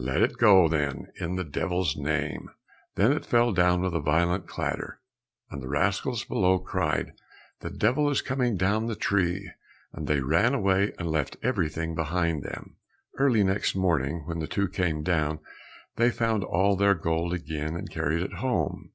"Let it go, then, in the devil's name." Then it fell down with a violent clatter, and the rascals below cried, "The devil is coming down the tree!" and they ran away and left everything behind them. Early next morning, when the two came down they found all their gold again, and carried it home.